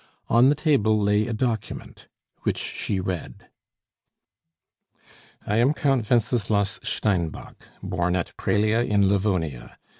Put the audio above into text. On the table lay a document, which she read: "I am Count Wenceslas Steinbock, born at Prelia, in Livonia.